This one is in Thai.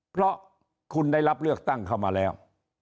เพราะคุณได้รับเลือกตั้งเข้ามาแล้ว